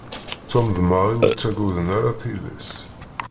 Tom d Mary ur ttaggaden ara tillas.